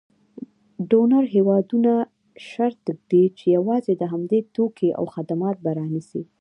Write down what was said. ډونر هېوادونه شرط ږدي چې یوازې د همدوی توکي او خدمات به رانیسي.